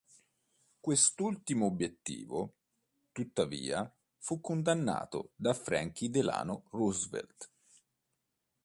Quest'ultimo obiettivo, tuttavia, fu condannato da Franklin Delano Roosevelt.